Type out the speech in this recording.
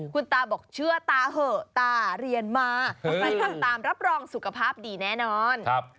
คุณตาบอกเชื่อตาเหอะตาเรียนมาใครทำตามรับรองสุขภาพดีแน่นอน